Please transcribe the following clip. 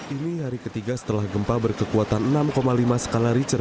ini hari ketiga setelah gempa berkekuatan enam lima skala richter